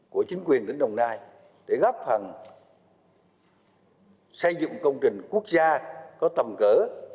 của chính quyền tỉnh đồng nai để góp phần xây dựng công trình quốc gia có tầm cỡ